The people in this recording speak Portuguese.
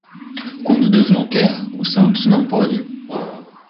Quando Deus não quer, os santos não podem.